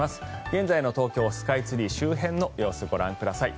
現在の東京スカイツリー周辺の様子ご覧ください。